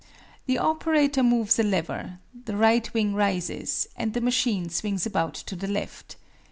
The operator moves a lever: the right wing rises, and the machine swings about to the left.